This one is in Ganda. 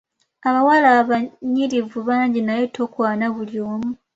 Abawala abanyirivu bangi naye tokwana buli omu.